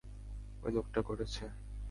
ঐ লোকটা করেছে।